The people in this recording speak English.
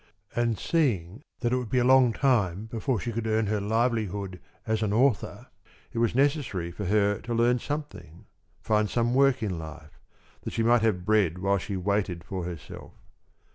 And seeing that it would be a long time before she could earn her livelihood as an author, it was necessary for her to learn something find some work in life that she might have bread while she waited for herself.